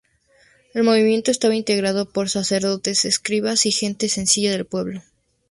El movimiento estaba integrado por sacerdotes, escribas y gente sencilla del pueblo.